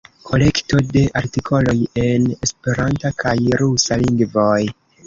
Kolekto de artikoloj en esperanta kaj rusa lingvoj.